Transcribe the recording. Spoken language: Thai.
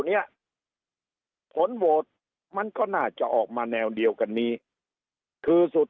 เนี้ยผลโหวตมันก็น่าจะออกมาแนวเดียวกันนี้คือสุด